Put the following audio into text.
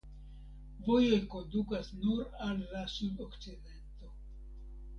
Vojoj kondukas nur al la sudokcidento.